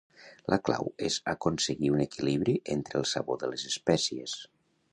La clau és aconseguir un equilibri entre el sabor de les espècies.